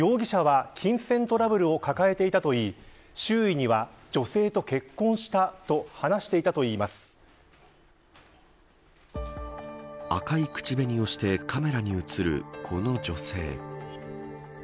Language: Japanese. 容疑者は金銭トラブルを抱えていたといい周囲には、女性と結婚したと赤い口紅をしてカメラに映るこの女性。